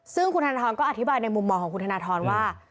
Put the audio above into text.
ซึ่งคุณธนทรก็อธิบายในมุมมองของคุณธนทรว่า